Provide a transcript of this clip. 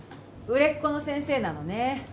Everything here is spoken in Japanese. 売れっ子の先生なのね。